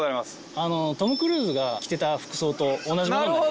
トム・クルーズが着てた服装と同じものになります。